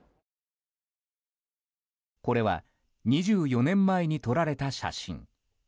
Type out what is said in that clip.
これは２４年前に撮られた写真。